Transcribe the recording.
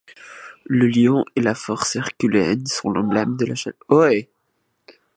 Le lion et la force herculéenne sont l'emblème de la chaleur.